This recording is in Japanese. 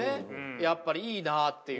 やっぱりいいなっていう。